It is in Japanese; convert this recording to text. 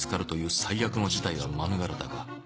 最悪の事態は免れたが